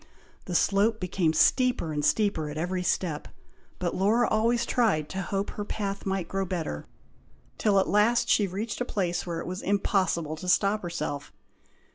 The slope became steeper and steeper at every step; but Laura always tried to hope her path might grow better, till at last she reached a place where it was impossible to stop herself.